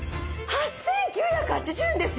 ８９８０円ですよ！